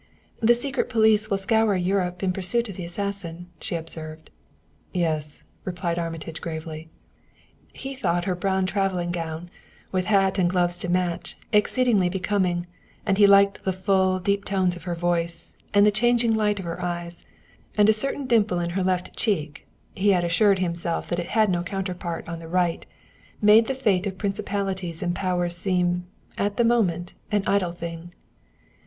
"The secret police will scour Europe in pursuit of the assassin," she observed. "Yes," replied Armitage gravely. He thought her brown traveling gown, with hat and gloves to match, exceedingly becoming, and he liked the full, deep tones of her voice, and the changing light of her eyes; and a certain dimple in her left cheek he had assured himself that it had no counterpart on the right made the fate of principalities and powers seem, at the moment, an idle thing.